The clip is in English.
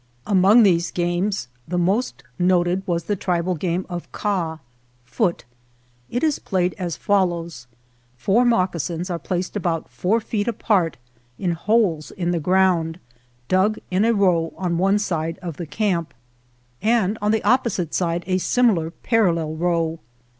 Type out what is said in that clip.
Among these games the most noted was the tribal game of Kah (foot) . It is played as follows : Four moccasins are placed about 26 TRIBAL CUSTOMS four feet apart in holes in the ground, dug in a row on one side of the camp, and on the opposite side a similar parallel row.